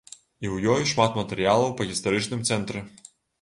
І ў ёй шмат матэрыялаў па гістарычным цэнтры.